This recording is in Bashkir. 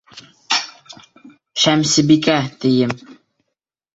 Шәмсебикә, тием!